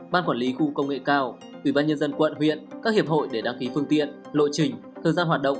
ban quản lý khu công nghệ cao ủy ban nhân dân quận huyện các hiệp hội để đăng ký phương tiện lộ trình thời gian hoạt động